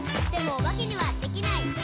「でもおばけにはできない。」